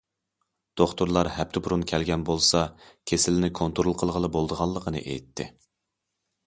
دوختۇرلار ھەپتە بۇرۇن كەلگەن بولسا كېسىلىنى كونترول قىلغىلى بولىدىغانلىقىنى ئېيتتى.